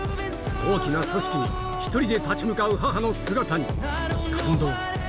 大きな組織に１人で立ち向かう母の姿に感動